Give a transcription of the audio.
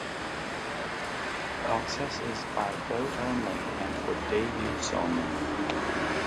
Access is by boat only and for day-use only.